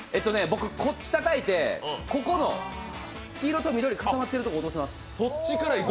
こっちたたいて、黄色と緑固まってるところ、落とします。